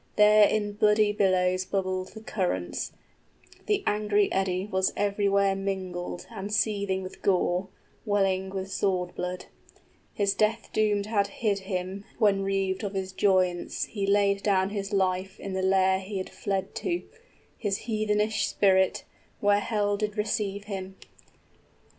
} There in bloody billows bubbled the currents, The angry eddy was everywhere mingled And seething with gore, welling with sword blood; He death doomed had hid him, when reaved of his joyance 15 He laid down his life in the lair he had fled to, His heathenish spirit, where hell did receive him.